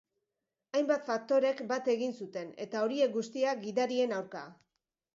Hainbat faktorek bat egin zuten, eta horiek guztiak, gidarien aurka.